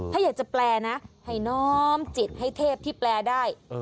ถ้าอยากจะแปลนะให้น้อมจิตให้เทพที่แปลได้